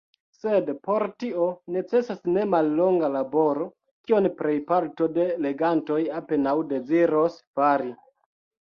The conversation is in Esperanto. Sed por tio necesas nemallonga laboro, kion plejparto de legantoj apenaŭ deziros fari.